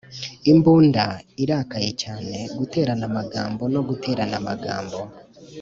imbunda irakaye cyane guterana amagambo no guterana amagambo,